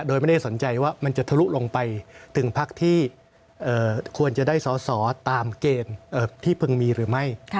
โดยไม่ได้สนใจว่ามันจะทะลุลงไปถึงพักที่ควรจะได้สอสอตามเกณฑ์ที่พึงมีหรือไม่